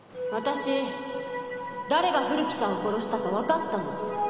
私誰が古木さんを殺したかわかったの。